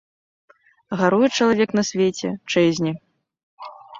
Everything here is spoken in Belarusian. Гаруе чалавек на свеце, чэзне.